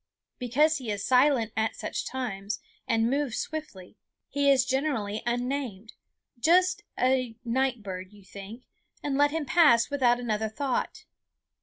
Because he is silent at such times, and moves swiftly, he is generally unnamed just a night bird, you think, and let him pass without another thought.